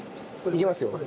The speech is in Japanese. いきますよ。